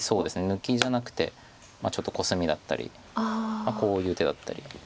抜きじゃなくてちょっとコスミだったりこういう手だったり。